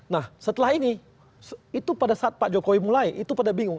nah setelah ini itu pada saat pak jokowi mulai itu pada bingung